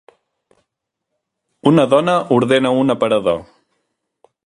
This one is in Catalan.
Una dona ordena un aparador.